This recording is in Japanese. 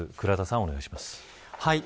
お願いします。